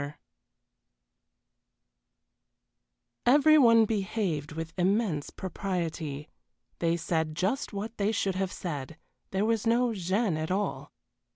XII Every one behaved with immense propriety they said just what they should have said, there was no gêne at all.